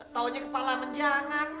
tahunya kepala menjangan